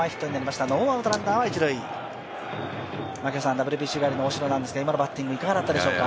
ＷＢＣ帰りの大城ですが、今のバッティングいかがだったでしょうか。